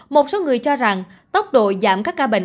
một số người cho rằng tốc độ giảm các ca bệnh